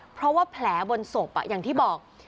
เพราะว่าแผลบนศพอย่างที่บอก